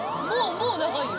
もう長いよ。